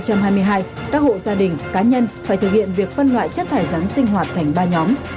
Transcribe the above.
các hộ gia đình cá nhân phải thực hiện việc phân loại chất thải rắn sinh hoạt thành ba nhóm